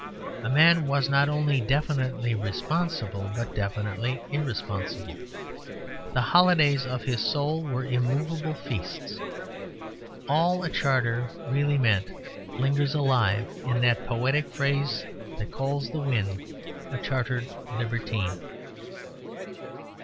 A man was not only definitely responsible, but definitely irresponsible. The holidays of his soul were immovable feasts. All a charter really meant lingers alive in that poetic phrase that calls the wind a "chartered" libertine.